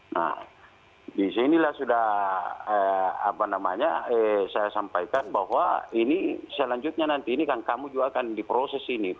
nah disinilah sudah apa namanya saya sampaikan bahwa ini selanjutnya nanti ini kan kamu juga akan diproses ini